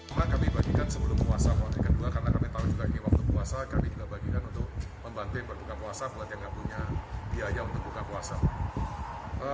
pertama kami bagikan sebelum puasa karena kami tahu juga waktu puasa kami juga bagikan untuk membantai berbuka puasa buat yang tidak punya biaya untuk buka puasa